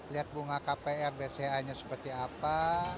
lihat bunga kpr bca nya seperti apa